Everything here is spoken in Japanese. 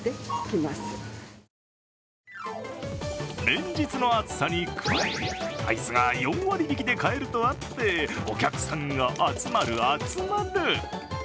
連日の暑さに加え、アイスが４割引で買えるとあってお客さんが集まる集まる！